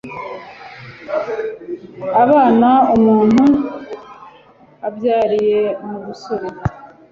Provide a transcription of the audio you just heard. Abana umuntu abyariye mu busore